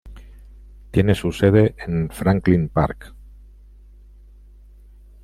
Tiene su sede en Franklin Park.